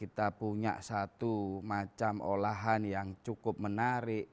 kita punya satu macam olahan yang cukup menarik